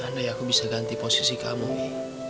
andai aku bisa ganti posisi kamu wi